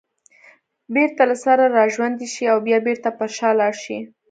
بېرته له سره راژوندي شي او بیا بېرته پر شا لاړ شي